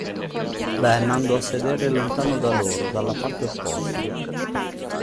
Ben andò a sedere lontano da loro dalla parte opposta.